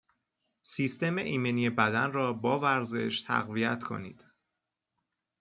سیستم ایمنی بدن را با ورزش تقویت کنید